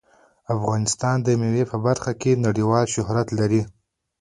افغانستان د مېوې په برخه کې نړیوال شهرت لري.